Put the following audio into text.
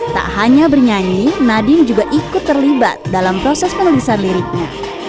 tak hanya bernyanyi nadiem juga ikut terlibat dalam proses penulisan liriknya